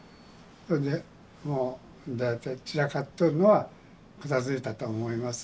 これでもう大体散らかっとるのは片づいたと思います。